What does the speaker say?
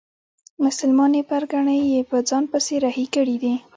مسلمانې پرګنې یې په ځان پسې رهي کړي دي.